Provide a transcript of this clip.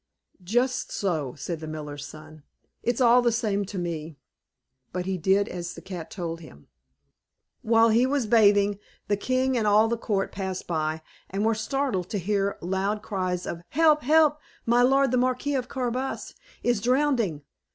"Just so," said the miller's son; "it's all the same to me;" but he did as the cat told him. While he was bathing, the king and all the court passed by, and were startled to hear loud cries of "Help, help! my lord the Marquis of Carabas is drowning."